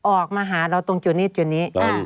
ออกมาหาเราตรงจุดนี้จุดนี้